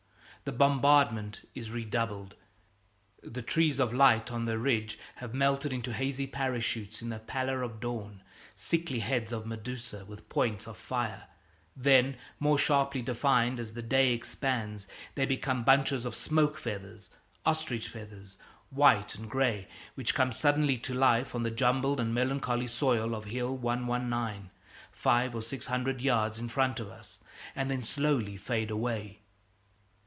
The bombardment is redoubled. The trees of light on the ridge have melted into hazy parachutes in the pallor of dawn, sickly heads of Medusae with points of fire; then, more sharply defined as the day expands, they become bunches of smoke feathers, ostrich feathers white and gray, which come suddenly to life on the jumbled and melancholy soil of Hill 119, five or six hundred yards in front of us, and then slowly fade away.